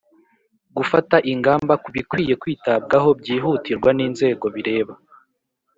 Gufata ingamba ku bikwiye kwitabwaho byihutirwa n inzego bireba